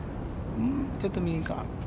ちょっと右か。